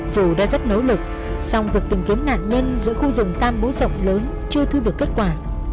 dù đã rất nỗ lực song việc tìm kiếm nạn nhân giữa khu rừng tam bố rộng lớn chưa thu được kết quả